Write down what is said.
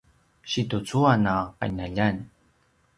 situcuan a qinaljan